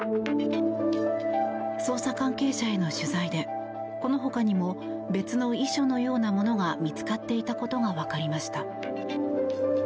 捜査関係者への取材でこの他にも別の遺書のようなものが見つかっていたことが分かりました。